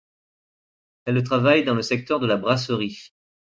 Elle travaille dans le secteur de la brasserie.